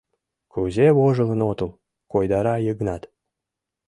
Кузе вожылын отыл? — койдара Йыгнат.